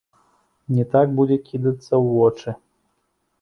Не так будзе кідацца ў вочы.